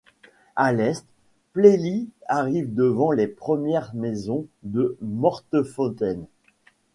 À l'est, Plailly arrive devant les premières maisons de Mortefontaine.